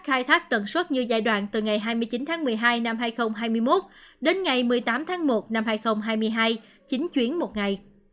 khai thác tần suất như giai đoạn từ ngày hai mươi chín tháng một mươi hai năm hai nghìn hai mươi một đến ngày một mươi tám tháng một năm hai nghìn hai mươi hai chín chuyến một ngày